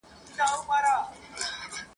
نه یې شور سته د بلبلو نه یې شرنګ سته د غزلو !.